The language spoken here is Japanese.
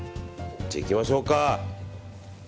じゃあ、行きましょうか。